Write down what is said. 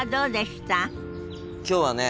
今日はね